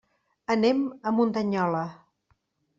Anem a Muntanyola.